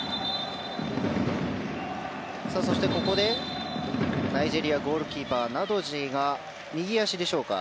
そして、ここでナイジェリアのゴールキーパーナドジーが右足でしょうか。